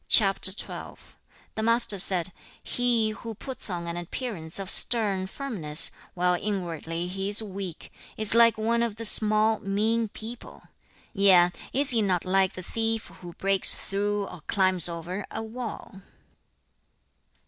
The Master said, 'He who puts on an appearance of stern firmness, while inwardly he is weak, is like one of the small, mean people; yea, is he not like the thief who breaks through, or climbs over, a wall?'